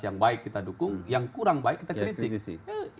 yang baik kita dukung yang kurang baik kita kritik